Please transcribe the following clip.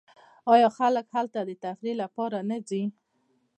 آیا خلک هلته د تفریح لپاره نه ځي؟